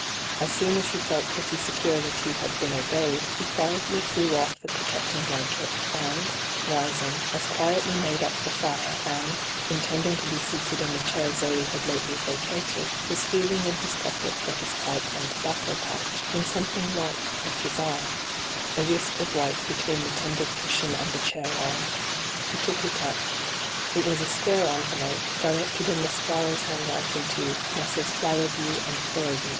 As soon as he felt pretty secure that he had been obeyed, he quietly threw off the protect ing blanket, and, rising, as quietly made up .^hyGoo>^lc 40 ENTRAPPED the fire, and, intending to be seated in the chair Zoe had lately vacated, was feeling in his pocket for his pipe and tobacco pouch, when something white caught his eye, a wisp of white between the tumbled cushion and the chair arm. He took it up. It was a square envelope, directed in the Squire's handwriting to ' Messrs. Flowerdew and Furlby.'